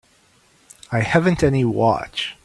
I haven't any watch.